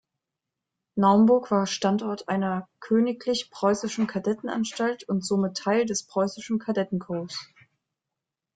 Naumburg war Standort einer "Königlich-preußischen Kadettenanstalt" und somit Teil des preußischen Kadettenkorps.